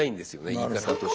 言い方として。